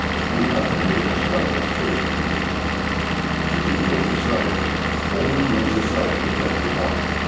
"You have made a slight mistake," he was saying; "it is your society, only your society, that we want."